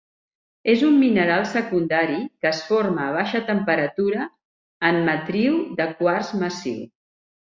És un mineral secundari que es forma a baixa temperatura en matriu de quars massiu.